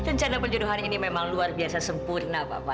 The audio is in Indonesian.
rencana penjodohan ini memang luar biasa sempurna papa